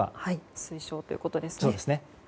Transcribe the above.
推奨ということですね。